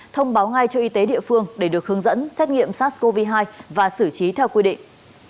thông báo ngay cho y tế địa phương để được hướng dẫn xét nghiệm sars cov hai và xử trí theo quy định